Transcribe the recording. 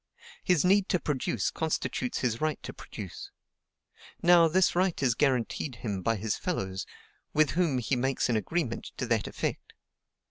His need to produce constitutes his right to produce. Now, this right is guaranteed him by his fellows, with whom he makes an agreement to that effect.